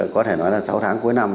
có thể nói là sáu tháng cuối năm